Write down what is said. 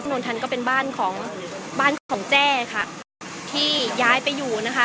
นนทันก็เป็นบ้านของบ้านของแจ้ค่ะที่ย้ายไปอยู่นะคะ